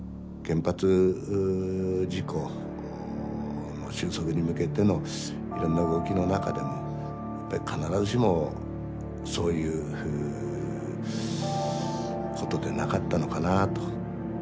原発事故の収束に向けてのいろんな動きの中でもやっぱり必ずしもそういうことでなかったのかなと。